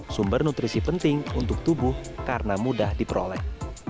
sumber nutrisi penting untuk tubuh karena mudah diperoleh